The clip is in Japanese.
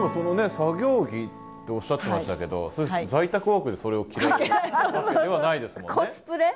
作業着っておっしゃってましたけど在宅ワークでそれを着るわけではないですもんね？